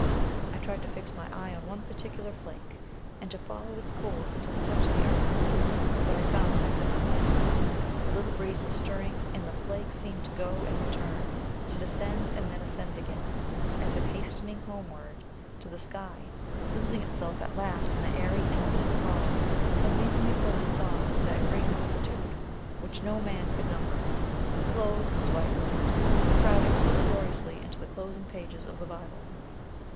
I tried to fix my eye on one particular flake, and to follow its course until it touched the earth. But I found that I could not. A little breeze was stirring an the flake seemed to go and return, to descend and then ascend again, as if hastening homeward to the sky, losing itself at last in the airy, infinite throng, and leaving me filled with thoughts of that "great multitude, which no man could number, clothed with white robes," crowding so gloriously into the closing pages of the Bible.